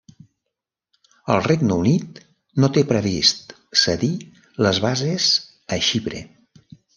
El Regne unit no té previst cedir les bases a Xipre.